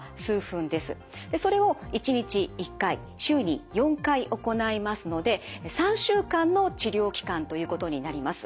それを１日１回週に４回行いますので３週間の治療期間ということになります。